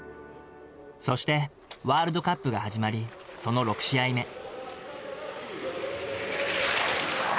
そして、ワールドカップが始まり、その６試合目。